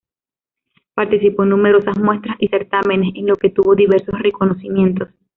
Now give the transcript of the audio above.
Participó en numerosas muestras y certámenes, en los que tuvo diverso reconocimiento.